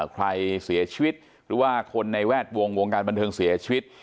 ใครเสียชีวิตหรือว่าคนในแวดวงวงการบันเทิงเสียชีวิต